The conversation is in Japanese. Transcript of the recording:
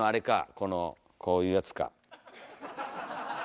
このこういうやつか。